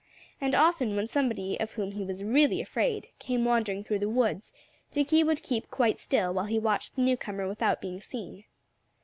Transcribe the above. And often when somebody of whom he was really afraid came wandering through the woods, Dickie would keep quite still, while he watched the newcomer without being seen.